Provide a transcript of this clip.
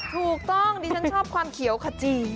ถูกต้องดิฉันชอบความเขียวขจี